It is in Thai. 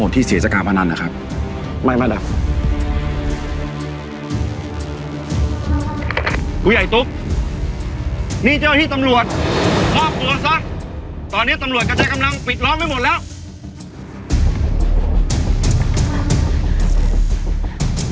ตอนนี้ตำรวจกังวลวัยไปหมดแล้ว